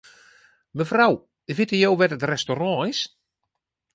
Mefrou, witte jo wêr't it restaurant is?